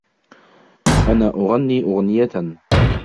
أنا أغني أغنيةً.